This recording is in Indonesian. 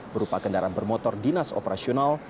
berupa kendaraan bermotor dinas operasional